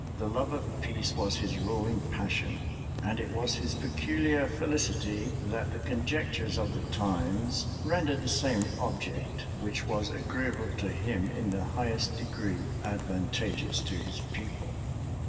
The love of peace was his ruling passion; and it was his peculiar felicity, that the conjunctures of the times rendered the same object which was agreeable to him in the highest degree advantageous to his people.